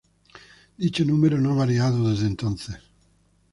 Dicho número no ha variado desde entonces.